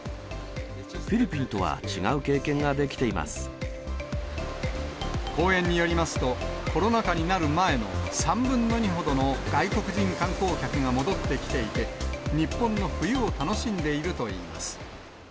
フィリピンとは違う経験がで公苑によりますと、コロナ禍になる前の３分の２ほどの外国人観光客が戻ってきていて、日本の冬を楽しんでいるといいます。